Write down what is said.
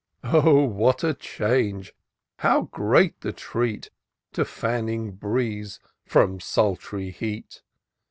Oh ! what a change, how great the treat, To fanning breeze from sultry heat